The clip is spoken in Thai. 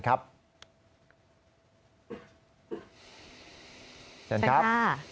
เชิญครับ